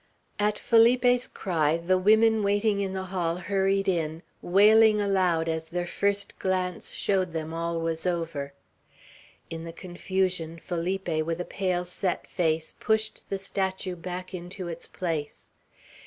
At Felipe's cry, the women waiting in the hall hurried in, wailing aloud as their first glance showed them all was over. In the confusion, Felipe, with a pale, set face, pushed the statue back into its place.